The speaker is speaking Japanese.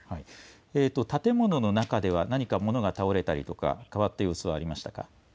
建物の中では何か物が倒れたりとか、変わった様子はありましたか。